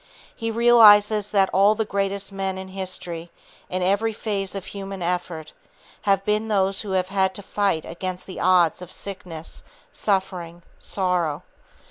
He realizes that all the greatest men in history, in every phase of human effort, have been those who have had to fight against the odds of sickness, suffering, sorrow.